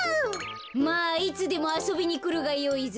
まあいつでもあそびにくるがよいぞ。